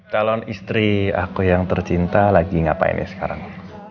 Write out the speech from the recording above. calon istri aku yang tercinta lagi ngapain ya sekarang